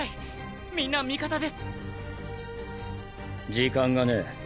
時間がねぇ。